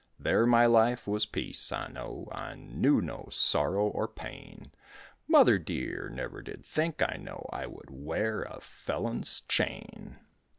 There my life was peace, I know, I knew no sorrow or pain. Mother dear never did think, I know, I would wear a felon's chain.